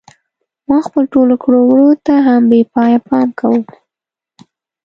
ما خپلو ټولو کړو وړو ته هم بې پایه پام کاوه.